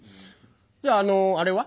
じゃああのあれは？